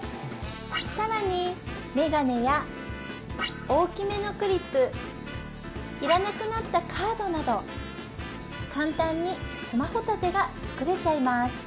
更にメガネや大きめのクリップ要らなくなったカードなど簡単にスマホ立てが作れちゃいます